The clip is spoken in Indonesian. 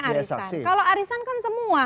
arisan kalau arisan kan semua